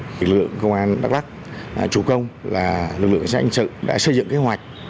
lực lượng công an đắk lắk chủ công là lực lượng xã hội anh sự đã xây dựng kế hoạch